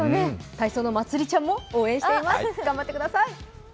体操のまつりちゃんも応援しています、頑張ってください。